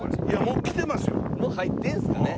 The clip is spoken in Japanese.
もう入ってるんですかね。